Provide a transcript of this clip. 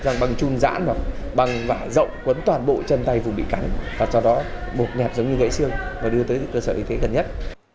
rắn bằng chun rãn bằng vả rộng quấn toàn bộ chân tay vùng bị cắn và cho nó bột nhẹp giống như gãy siêu và đưa tới cơ sở y tế gần nhất